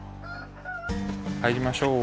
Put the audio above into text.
はいりましょう。